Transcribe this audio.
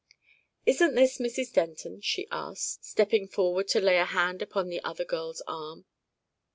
"Isn't this Mrs. Denton?" she asked, stepping forward to lay a hand upon the other girl's arm.